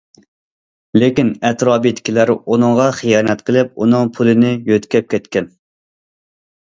لېكىن ئەتراپىدىكىلەر ئۇنىڭغا خىيانەت قىلىپ ئۇنىڭ پۇلىنى يۆتكەپ كەتكەن.